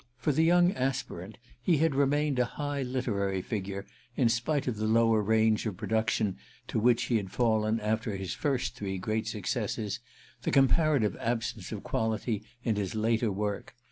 For the young aspirant he had remained a high literary figure, in spite of the lower range of production to which he had fallen after his first three great successes, the comparative absence of quality in his later work.